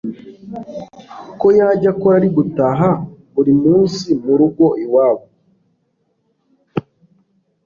ko yajya akora ari gutaha buri munsimurugo iwabo